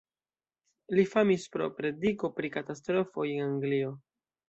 Li famis pro prediko pri katastrofoj en Anglio.